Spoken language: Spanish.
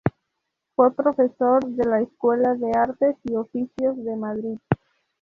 Fue profesor de la Escuela de Artes y Oficios de Madrid.